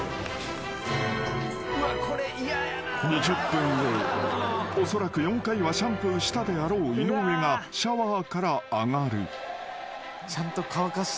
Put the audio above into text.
［２０分後おそらく４回はシャンプーしたであろう井上がシャワーから上がる］